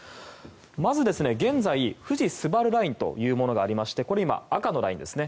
まず、現在、富士スバルラインというものがありましてこれ今、赤のラインですね。